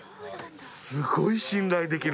すごい信頼できる。